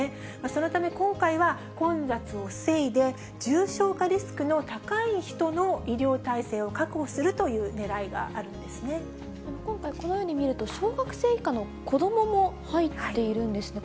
そのため今回は混雑を防いで、重症化リスクの高い人の医療体制を確保するというねらいがあるん今回、このように見ると、小学生以下の子どもも入っているんですね。